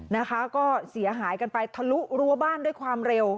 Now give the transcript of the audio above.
นะคะก็เสียหายกันไปทะลุรั้วบ้านด้วยความเร็ว